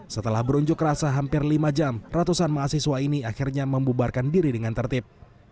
setelah berunjuk rasa hampir lima jam ratusan mahasiswa ini akhirnya membubarkan diri dengan tertib